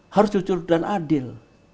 harus jujur dan adil